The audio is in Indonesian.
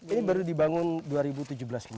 ini baru dibangun dua ribu tujuh belas ini